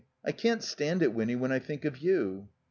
I can't stand it, Winny, when I think of you."